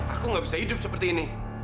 aku gak bisa hidup seperti ini